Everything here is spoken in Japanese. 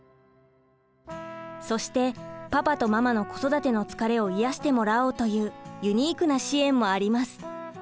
そしてパパとママの子育ての疲れを癒やしてもらおうというユニークな支援もあります。